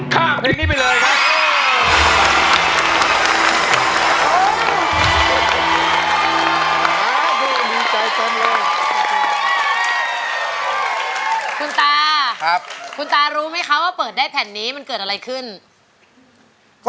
ข้างที่นี้ไปเลยครับ